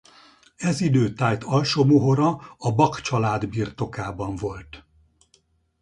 Ez idő tájt Alsó-Mohora a Bak család birtokában volt.